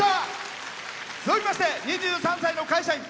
続きまして２３歳の会社員。